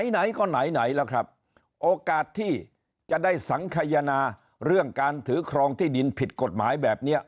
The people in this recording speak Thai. ไหนก็ไหนไหนล่ะครับโอกาสที่จะได้สังขยนาเรื่องการถือครองที่ดินผิดกฎหมายแบบนี้